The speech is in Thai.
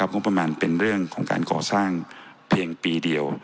งบประมาณเป็นเรื่องของการก่อสร้างเพียงปีเดียว